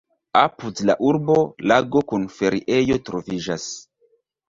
Apud la urbo lago kun feriejo troviĝas.